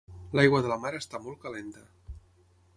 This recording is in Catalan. L'aigua de la mar està molt calenta.